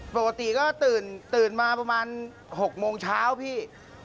ปกติก็ตื่นมาประมาณ๖โมงเช้าพี่